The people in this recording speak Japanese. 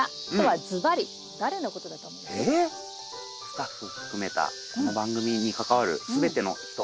スタッフ含めたこの番組に関わるすべての人。